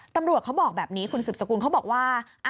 ตำรวจเขาบอกแบบนี้คุณสืบสกุลเขาบอกว่า